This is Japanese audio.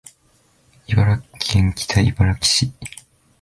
茨城県北茨城市